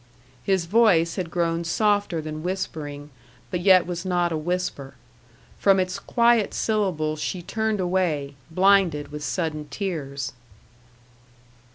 His voice had grown softer than whispering, but yet was not a whisper. From its quiet syllables she turned away, blinded with sudden tears.